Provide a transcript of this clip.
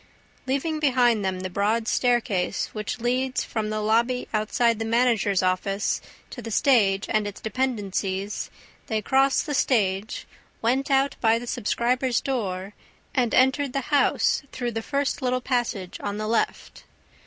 Leaving behind them the broad staircase which leads from the lobby outside the managers' offices to the stage and its dependencies, they crossed the stage, went out by the subscribers' door and entered the house through the first little passage on the left.